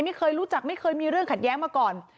ไม่เคยรู้จักไม่เคยมีเรื่องขัดแย้งมาก่อน